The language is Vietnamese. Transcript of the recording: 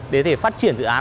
để thể phát triển dự án